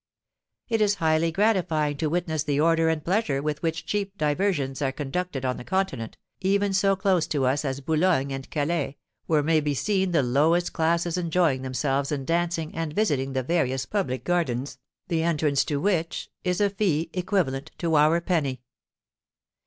It is highly gratifying to witness the order and pleasure with which cheap diversions are conducted on the continent, even so close to us as Boulogne and Calais, where may be seen the lowest classes enjoying themselves in dancing and visiting the various public gardens, the entrance to which is a fee equivalent to our penny.